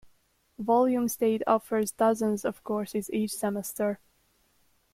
Volume State offers dozens of courses each semester.